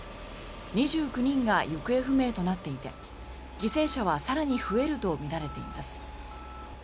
２９人が行方不明となっていて犠牲者は更に増えるとみられています。